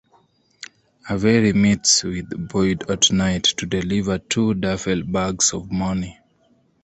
Avery meets with Boyd at night to deliver two duffel bags of money.